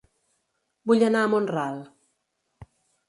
Vull anar a Mont-ral